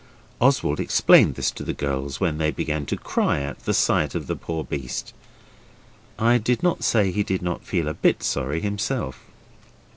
Oswald explained this to the girls when they began to cry at the sight of the poor beast; I do not say he did not feel a bit sorry himself.